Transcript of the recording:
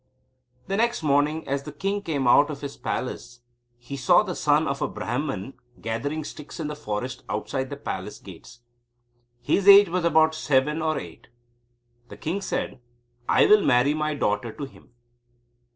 The next morning, as the king came out of his palace, he saw the son of a Brahman gathering sticks in the forest outside the palace gates. His age was about seven or eight. The king said: "I will marry my daughter to him."